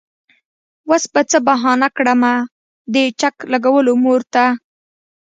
وس به څۀ بهانه کړمه د چک لګولو مور ته